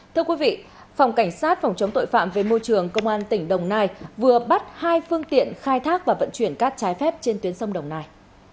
thưa quý vị phòng cảnh sát phòng chống tội phạm về môi trường công an tỉnh đồng nai vừa bắt hai phương tiện khai thác và vận chuyển cát trái phép trên tuyến sông đồng nai